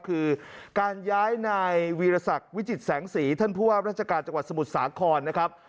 คือการย้ายนายวีรศักดิ์วิจิตแสงสีท่านผู้ว่าราชการจังหวัดสมุทรสาครนะครับ